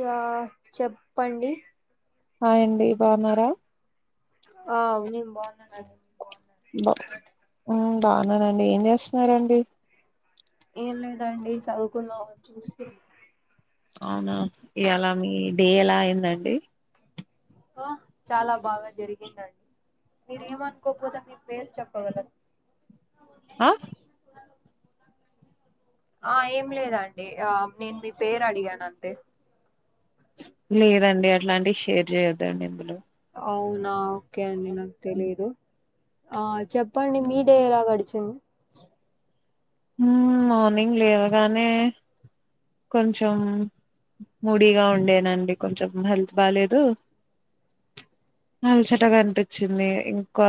Yeah చె ప్పండి hi అండి బాగున్నారా ఆ మ్ బాగున్నా మేడ్ బ ఉమ్ బాగున్నానండి ఏం చేస్తున్నారండి ఏం లేదండి చదువుకుందం అని చూస్తు అవునా ఇయాల మీ డే ఎలా అయిందండి ఆ చాలా బాగా జరిగిందండి మీరు ఏమనుకోపోతే మీ పేరు చెప్పగల అ ఆ ఏం లేదండి ఆ నేను మీ పేరు అడిగాను అంతే లేదండీ అట్లాంటివి షేర్ చేయొద్దండి ఇందులో అవునా కే అండి నాకు తెలీదు ఆ చెప్పండి మీ డే ఎలా గడిచింది ఆ మార్నింగ్ లేవగానే కొంచెం మూడీగా ఉండేనండి కొంచెం హెల్త్ బాలేదు అలసటగా అనిపించింది ఇంకా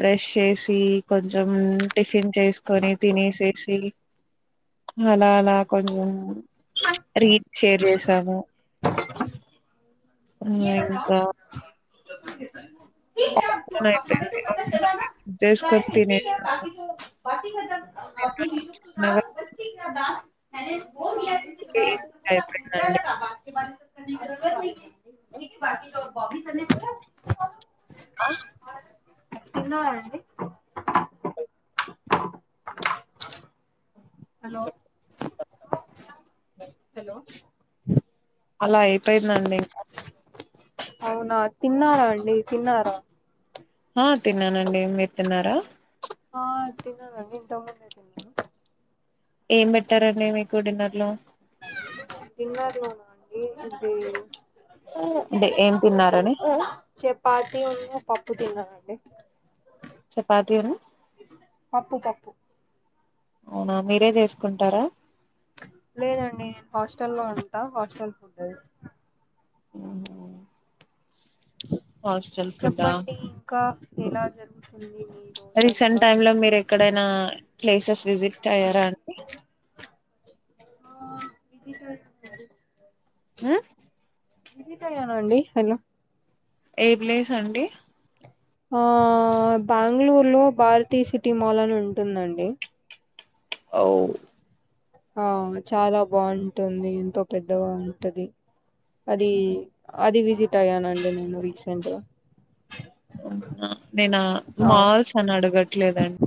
బ్రష్ చేసి కొంచెం టిఫ ఫిన్ చేసుకొని తినేసే సి అలా అలా కొంచెం రీట్ షేర్ చేసాము ఆ ఇంకా [inaudible] పని అయిపోయింది. ఆఫ్టర్‌నూన్‌కి కుక్ చేసుకొని తినేసాను. తిన్నాక చిన్నగా [unintelligible] అ పో [unintelligible] [unintelligible] ండి [inaudible] [inaudible] ఆ తిన్నరండి హలో అలా అయి [unintelligible] ఎప్పుేనాంట అవునా తిన్నారా అండి తిన్నారా ఆ తిన్నానండి మీర్ తిన్నారా ఆ తిన్నాను అండి నేను తొమ్మిదికే తిన్నా ఏం పెట్టారండి మీకు డిన్నర్ లో డిన్నర్లోన [unintelligible] అండి ఇది అంటే ఏం తిన్నారని చపాతి ఉన్ను పప్పు తిన్నానండి చపాతీ ను పప్పు పప్పు అవునా మీరే చేసుకుంటారా లేదండి నేను హాస్టల్లో ఉంటా హాస్టల్ ఫుడ్ అది ఆ చెప్పండి ఇంకా ఎలా జరుగుతుంది మీ రీసెంట్ రోజంతా టైమ్ లో మీరు ఎక్కడైనా ప్లేసెస్ విజిట్ అయ్యారా అండి. ఆ విధితో ఆయుండారు మ్మ్ విజిట్ అయ్యారా అండి హలో ఏ ప్లేస్ అండి ఆ బెంగళూరులో భారతీ సిటీ మాల్ అని ఉంటుందండి అవు ఆ చాలా బాగుంటుంది ఎంతో పెద్దగా ఉంటది. అది అది విసిట్ ట్ అయ్యానండి నేను రీసెంట్గా అవునా నేనా ఆ మాల్స్ అని అడగట్లేదండి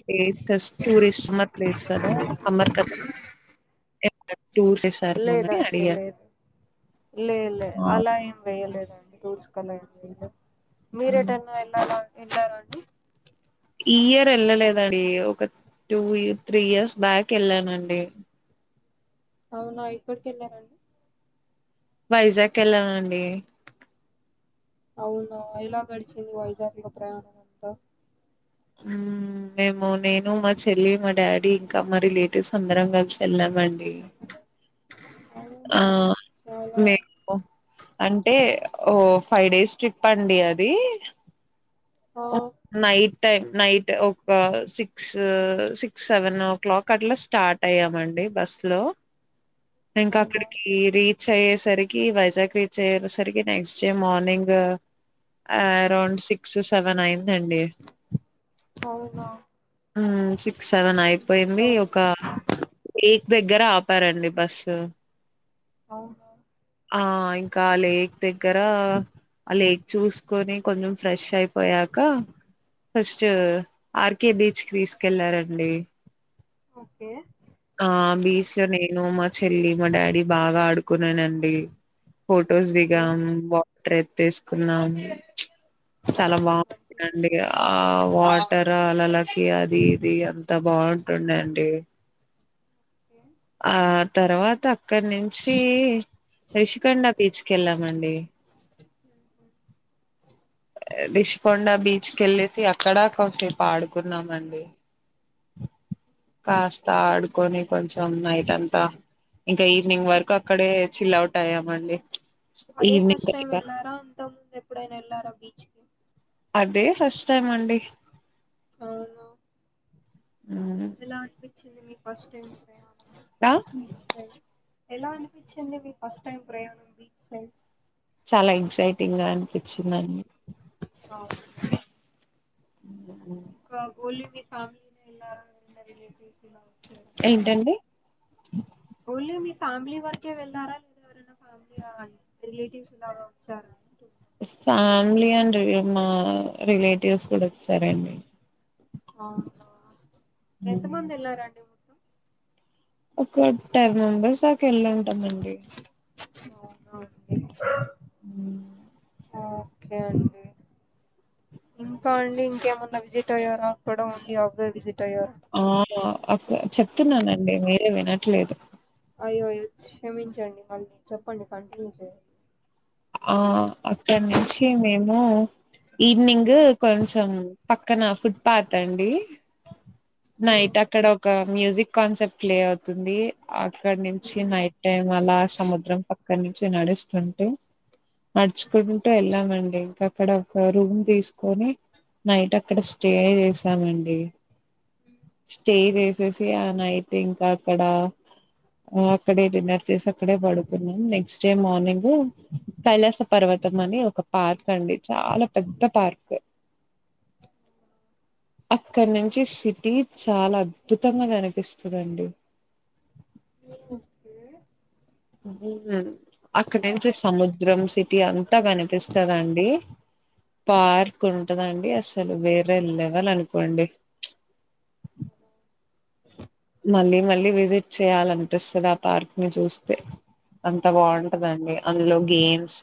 ప్లేసె టూరిస్ట్ సమర్ ప్లేస్ కదా సమ్మర్ కదా టూర్స్ వేసారు అని లేదండి అడిగారు లేదు లే లే అలా ఏం వేయలేదండి తీసుకోలేదండి నేను మీరేటన్న వెళ్ళారా ఎంటార అండి ఈ ఇయర్ వెళ్ళలేదండి ఒక టూ ఇ త్రీ ఇయర్స్ బ్యాక్ వెళ్ళానండి అవునా ఎక్కడికి వెళ్ళారండి వైజాగ్ వెళ్లానండి అవును ఎలా గడిచింది వైజాగ్ లో ప్రయాణం అంతా మేము నేను మా చెల్లి మా డాడీ ఇంకా మా రిలేటివ్స్ అందరం కలిసి వెళ్ళామండి ఆ అవునా చాలా మీరు అంటే ఓ ఫైవ్ డేస్ ట్రిప్ అండి అది ఆ ఓ నైట్ టైం నైట్ ఒక six six seven o'clock అట్లా స్టార్ట్ అయ్యామండి బస్ లో ఇంకా అవునా అక్కడికి రీత్ చ్ అయ్యేసరికి వైజాగ్ రీచ్ అయేసరికి next day morning around six స్ సెవెన్ అయ్యిందండి అవునా ఆ సిక్ సెవెన్ అయిపోయింది ఒక ఎయిట్ దగ్గర ఆపారండి బస్సు అవును ఆ ఇంకా లేక్ దగ్గర ఆ లేక్ చూస్ కొని కొంచెం ఫ్రెష్ అయిపోయాక కా ఫస్ట్ ఆర్కే బీచ్ కి తీసుకెళ్లారండి ఓకే ఆ బీచ్ లో నేను మా చెల్లి మా డాడీ బాగా ఆడుకున్నానండి ఫోటోస్ ఏ దిగామ్ బా ట్రేక్ తీసుకున్నామ్ చాలా బాగుంటందండి ఆ వాటర్ అలాలసి అది ఇది అంత బాఉంటుండే అండి ఓకే ఆ తర్వాత అక్కడి నుంచి రిషికొండ బీచ్కి వెళ్ళామండి. రిష్ికొండ బీచ్ క వెళ్ళేసి అక్కడసేపు ఆడుకున్నామండి కాస్త ఆడుకొని కొంచెం నైట్ అంతా ఇంకా ఈవినింగ్ వరకు అక్కడే చిల్ అవుట్ అయ్యామండి. అదే ఫస్ట్ ఈవినింగ్ టైమ్ వెళ్ళారా అంతకు ముందు ఎప్పుడైనా వెళ్ళారా బీచ్కి కి అదే ఫస్ట్ టైం అండి హ్మ్ ఎలాఅనిపిన్ చింది మీకు ఫస్ట్ టైం ఆ ఎలా అనిపించింది మీ ఫస్ట్ టైం ప్రయాణం బీచ్ సడ్ చాలా ఎక్సైటింగ్ గా అనిపించింది అండి. అవునా ఇంకా ఓన్లీ మీ ఫ్యామిలీ నే వెళ్లారా రిలేటివ్స్ ఇలా ఏంటండి ఓన్లీ మీ ఫ్యామిలీ వరకే వెళ్ళారా లేదా ఎవరైనా ఫ్యామిలీ రిలేటివ్స్ లాగా వచ్చారాటు. ఫ్యామిలీ అండి మా రిలేటివ్స్ కూడా వచ్చారంండి. అవునా ఎంత మంది వెళ్లారండి మొత్తం ఒక టెన్ మెంబెర్స్ దక వెళ్ళింటామండి. అవునా అండి. ఉ ఓకే అండి ఇంకా అండి ఇంకేమన్నా విజిట్ అయ్యారా అక్కడ ఉంది అవే విజిట్. అయ్యారా ఆ చెప్తున్నానండి మీర్ వినట్లేదు అయ్యయ్యో క్షమించండి మళ్లీ చెప్పండి కంటిన్యూ చేయండి. ఆ అక్కడి నుంచి మే ము ఈవినింగ్ కొంచెం పక్కన ఫుట్ పాత్ అండి. నైట్ అక్కడ ఒక మ్యూజిక్ కాన్సెప్ట్ ప్లే అవుతుంది ఆ క్కడ నుంచి నైట్ టైమ్ అలా సముద్రం పా కాడ్ నుంచి నడుస్తుంటే నడుచుకుంటూ వెళ్ళామండి ఇంకా అక్కడ ఒక రూమ్ తీసుకొని నైట్ అక్కడ స్టే చేసామండి. స్టే చేసేసి ఆ నైట్ ఇంకా అక్కడ అక్కడే డిన్నర్ చేసి అక్కడే పడుకున్నాం నెక్స్ట్ డే మార్నింగ్! కైలాస పర్వతం అని ఒక పార్క్ అండి చాలా పెద్ద పార్క్. అక్కడి నుంచి సిటీ చాలా అద్భుతంగా కనిపిస్తుంధండి. అక్కడ నుంచి సముద్రం సిటీ అంతా కనిపిస్తదండి. పార్క్ ఉంటదండి అసలు వేరే లెవల్ అనుకోండి. మళ్ళీ మళ్ళీ విజిట్ చేయాలనిపిస్తది ఆ పార్క్ ని చూస్తే అంత బాగుంటదండీ అందులో గేమ్స్,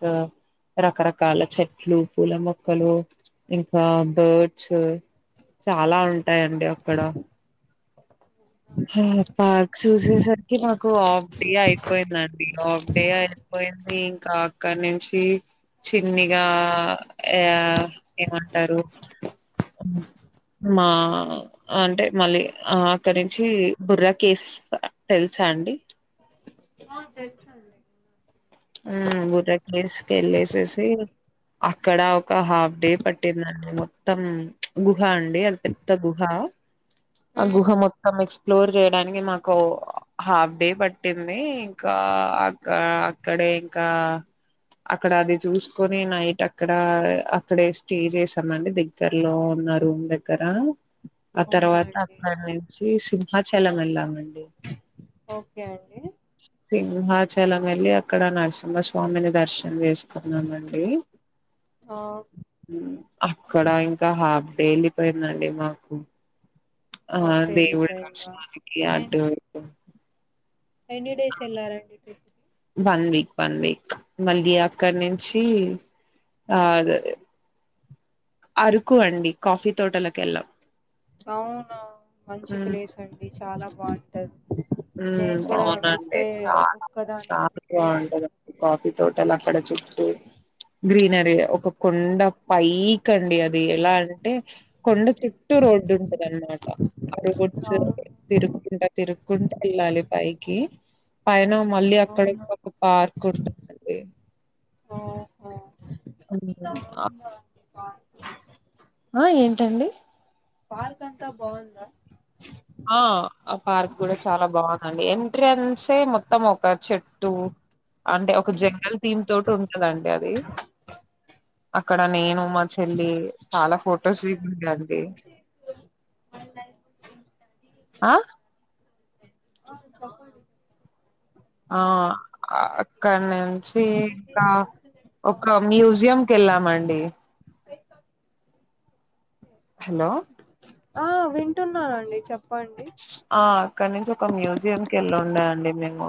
రకరకాల చెట్లు, పూల మొక్కలు, ఇంకా బర్డ్స్ చాలా ఉంటాయిండి అక్కడ. హా పార్క్స్ చూసేసరికి నాకు ఆఫ్ డే అయిపోయిందండి ఆఫ్ డే అయిపోయింది ఇంకా అక్కడి నుంచి చిన్నిగా ఏమంటారు మా అంటే మళ్ళీ అక్కడి చి బుర్ర కేస్ తెలుసా అండి అ తెల్ససండి హు బుర్ర కేస్ క వెళ్ళేసేసి అక్కడ ఒక హాఫ్ డే పట్టిందండి మొత్తం గుహ అండి అది పెద్ద గుహ ఆ గుహ మొత్తం ఎక్స్ప్లోర్ చేయడానికి మాకు హాఫ్ డే పట్టింది ఇంకా అక్క క్కడే ఇంకా అక్కడ అది చూసుకొని నైట్ అక్కడ అక్కడే స్టే చేసామండి దగ్గరలో ఉన్న రూమ్ దగ్గర ఆ అవునా తర్వాత అండి అక్కడి నుంచి సి అరుణాచలం వెళ్ళామండి ఓకే అండి. సింహాచలం వెళ్లి అక్కడ నరసింహస్వామిని దర్శనం చేసుకున్నామండి. ఓ అక్కడ ఇంకా హాఫ్ డే ఎల్లిపోయిందండి మాకు. ఆ అప్పుడే దేవుడి వెళ్ళిపోయిందా దర్షణానికి ఎన్ అటు ఇటు ఎన్ని డేస్ వెళ్లారండి ట్రిప్ కి వన్ వీక్ వన్ వీక్ మళ్లీ అక్కడినుంచి డి ఆర్ అరుకు అండి కాఫీ తోటలకి వెళ్ళం అవునవును మంచి ప్లేస్ అండి చాలా బాగుంటది నేను ఉమ్ కూడా అవునండి వెళ్తే చాలా అంటే ఒక్కదాన్నే చాలా ట్రిప్ వేయాలి బాగుంటదండి అనుకుంటున్నా కాఫీ తో టాలక్కాడ ట్టూ గ్రీనరీ ఒక కొండ పైకి అండి అది ఎలా అంటే కొండ చుట్టు రోడ్డు ఉండదన్నమాట ఆ రోడ్స్ అవును తిరుకుంట తిరుకుంట ాలి పైకి పైన మళ్ళీ అక్కడ అవును ఇంకొక పార్క్ ఉంటుందండి ఓహో అ బవ్ ఆ ఏంటండి పార్క్ అంతా బాగుంటదా అంటూ ఆ ఆ పార్క్ కూడా చాలా బాగుందండి ఎం రెన్సే ముొత్తం త్తం ఒక చెట్టు అంటే ఒక జంగల్ థీమ్ తోటి ఉండదండి అది అక్కడ నేను మా చెల్లి చాలా ఫొటోస్ దిగా అండి ఆ ఆ చెప్పండి. ఆ అక్కడి నుంచి ఆ ఒక మ్యూజియం కెళ్ళామండి పే హలో ఆ వింటున్నానండి చెప్ పండి అక్కడి నుంచి ఒక మ్యూజియం కి వెళ్ళాంలే అండి మేము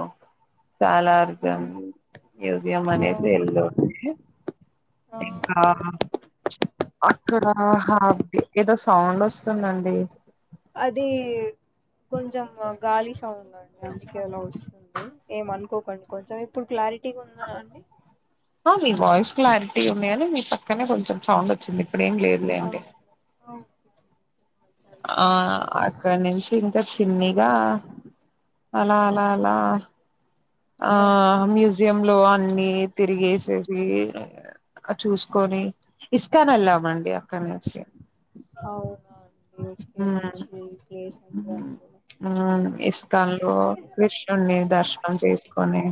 సాలార్జున్ ఉమ్, మ్యూజియం అనేసి అవును ఎల్లమండి ఆహా ఇంకా అక్కడ హాఫ్డే ఏదో సౌండ్ వస్ వస్తుందండి అది కొంచెం గాలి సౌండ్ అండి అందుకే అలా వస్తుంది ఏమ అనుకోకండి కొంచెం ఇప్పుడు క్లారిటీగా ఉంద అండి ఆ మీ వాయిస్ క్లారిటీ ఉన్నాయని మీ పక్కనే కొంచెం సౌండ్ వచ్చింది. ఇప్పుడు ఏం లేదులే అండి అవును ఆ అక్కడ అంతేనండి. నుంచి ఇంకా చిన్నిగా అలా అలా అలా ఆ గడిచిపోయినా మ్యూజియం ఉంటారు. లో అన్నీ తిరిగేసేసి చూసుకొని ఇస్కాన్ వెళ్ళామండి కన్విన్స్ చెయ్ అవునా అండి ఓకే మ్మ్ మంచి ప్లేస్ అండి అది కూడా మ్మ్ ఇస్కాన్ లో కృష్ణుని దర్శనం చేసుకొని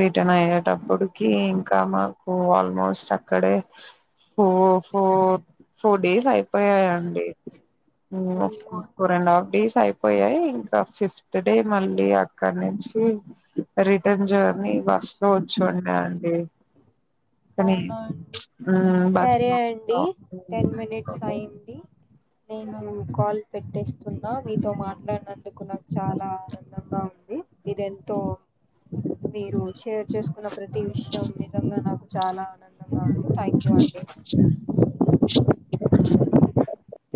రిటర్న్ అయ్యేటప్పుడు కే ఇంకా మాకు ఆల్మోస్ట్ అక్కడే ఫో ఫోర్ ఫోర్ డేస్ అయిపోయాయండి [inaudible] అవునా ఫోర్ అండ్ ఆఫ్ డేస్ అయిపోయాయి ఇంకా ఫిఫ్త్ డే మళ్ళీ అక్కడ నుంచి రిటర్న్ జర్నీ బస్ లో వచ్చిండ అండి కానీ అవునా అండి ఉమ్ బస్ సరే అండి టెన్ మినిట్స్ అయింది. నేను కాల్ పెట్టేస్తున్నా మీతో మాట్లాడినందుకు నాకు చాలా ఆనందంగా ఉంది మీది ఎంతో మీరు షేర్ చేసుకున్న ప్రతి విషయం నిజంగా నాక్ చాలా ఆనందంగా ఉంది థాంక్యూ అండి అ త కొంచెం [inaudible]